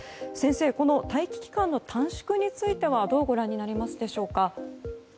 先生、待機期間の短縮についてはどうご覧になりますでしょうか？